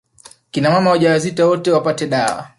Kina mama wajawazito wote wapate dawa